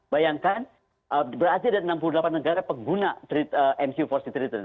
bayangkan berarti ada enam puluh delapan negara pengguna mq empat seat return